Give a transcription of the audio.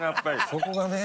そこがね。